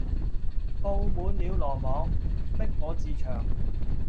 布滿了羅網，逼我自戕。